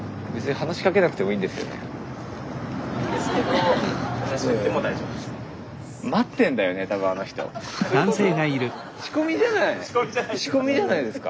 あ皆さん仕込みじゃないですか。